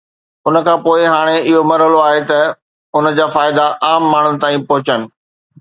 ان کان پوءِ هاڻي اهو مرحلو آهي ته ان جا فائدا عام ماڻهو تائين پهچن